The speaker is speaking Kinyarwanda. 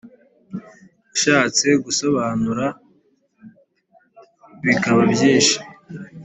ishatse gusobanura bikaba byinshi.